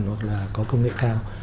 hoặc là có công nghệ cao